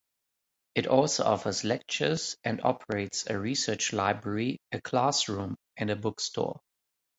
It also offers lectures and operates a research library, a classroom and a bookstore.